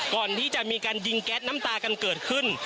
ก่อนที่จะมีการยิงแก๊สน้ำตากันเกิดขึ้น